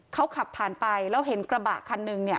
เขาขับผ่านไปแล้วเห็นกระบะคันนึงเนี่ย